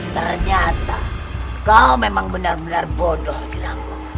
ternyata kau memang benar benar bodoh bilang